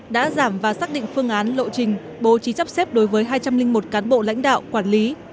đã giảm và xác định phương án lộ trình bố trí sắp xếp đối với hai trăm linh một cán bộ lãnh đạo quản lý